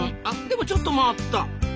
あでもちょっと待った！